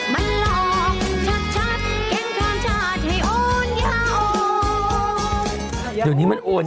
มันหลอกชัดแกงคลามชาติให้โอนอย่าโอน